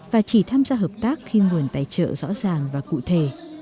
và chỉ tham gia hợp tác khi nguồn tài trợ rõ ràng và cụ thể